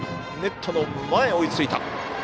ネットの前、追いついた。